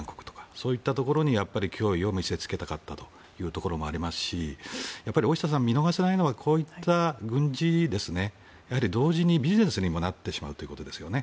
そういったところに脅威を見せつけたかったというところもありますし大下さん、見逃せないのはこういった軍事は同時にビジネスにもなってしまうということですよね。